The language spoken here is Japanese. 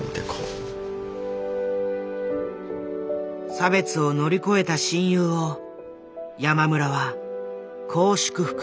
差別を乗り越えた親友を山村はこう祝福する。